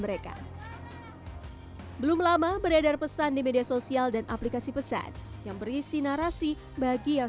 mereka belum lama beredar pesan di media sosial dan aplikasi pesan yang berisi narasi bagi yang